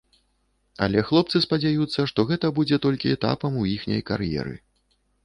Але хлопцы спадзяюцца, што гэта будзе толькі этапам у іхняй кар'еры.